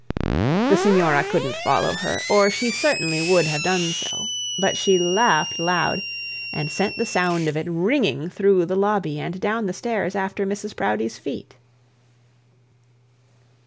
The signora couldn't follow her, or she certainly would have done so. But she laughed loud, and sent the sound of it ringing through the lobby and down the stairs after Mrs Proudie's feet.